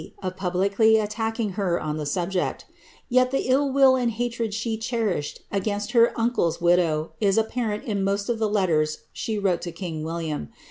of publicly attacking her on the subject Yet the ill trill and hatred die cherishrd against her uncIe^s widow is apparent in moat of the lettHS she wrote to king William.